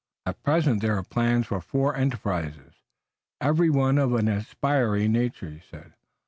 "At present there are plans for four enterprises, every one of an aspiring nature," he said.